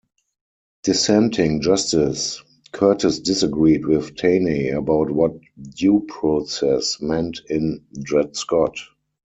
Dissenting Justice Curtis disagreed with Taney about what "due process" meant in "Dred Scott".